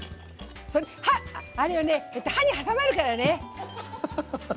歯に挟まるからね！